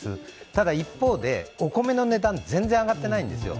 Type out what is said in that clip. ただ一方で、お米の値段全然上がってないんですよ。